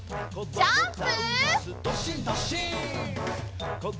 ジャンプ！